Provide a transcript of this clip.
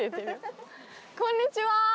こんにちは。